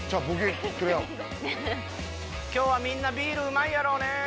今日はみんなビールうまいやろうね。